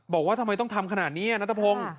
บอกว่าทำไมต้องทำขนาดนี้นัทพงศ์